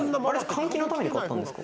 換気のために買ったんですか？